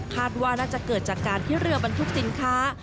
คาดว่าน่าจะเกิดจากการที่เรือบรรทุกสินค้า